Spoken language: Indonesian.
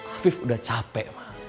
afif udah capek ma